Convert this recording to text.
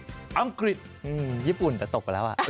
อืมญี่ปุ่นแต่ตกไปแล้วอ่ะ